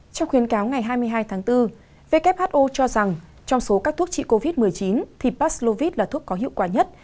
trong khuyên cáo ngày hai mươi hai tháng bốn who cho rằng trong số các thuốc trị covid một mươi chín thì paslovit là thuốc có hiệu quả nhất